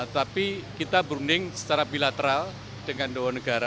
tapi kita berunding secara bilateral dengan dua negara